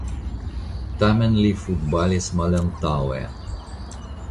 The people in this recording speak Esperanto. Tamen li futbalis malantaŭe.